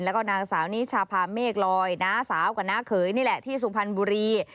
แล้วก็นางสาวนิชาพาเมฆลอยน้าสาวกับน้าเขยนี่แหละที่สุพรรณบุรี